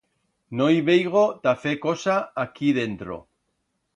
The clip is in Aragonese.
No i veigo ta fer cosa aquí dentro.